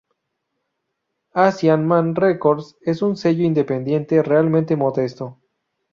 Asian Man Records es un sello independiente realmente modesto.